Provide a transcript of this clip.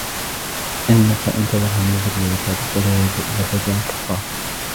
إنك إن تذرهم يضلوا عبادك ولا يلدوا إلا فاجرا كفارا